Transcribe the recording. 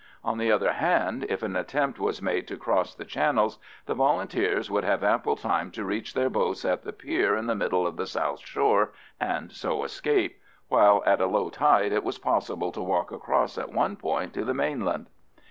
On the other hand, if an attempt was made to cross the channels, the Volunteers would have ample time to reach their boats at the pier in the middle of the south shore and so escape, while at a low tide it was possible to walk across at one point to the mainland.